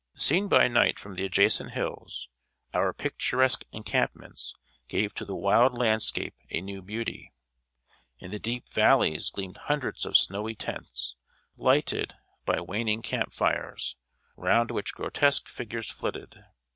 Seen by night from the adjacent hills, our picturesque encampments gave to the wild landscape a new beauty. In the deep valleys gleamed hundreds of snowy tents, lighted by waning camp fires, round which grotesque figures flitted.